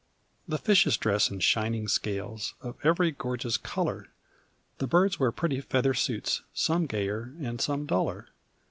The fishes dress in shining scales Of every gorgeous color; The birds wear pretty feather suits, Some gayer and some duller.